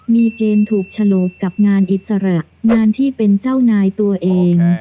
มีเกณฑ์ถูกฉลกกับงานอิสระงานที่เป็นเจ้านายตัวเอง